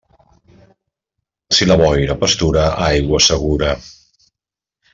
Si la boira pastura, aigua segura.